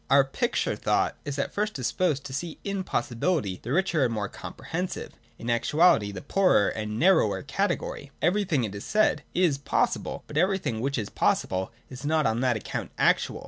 Our picture thought is at first disposed to see in possi bility the richer and more comprehensive, in actuality the poorer and narrower category. Everything, it is said, is possible, but everything which is possible is not on that account actual.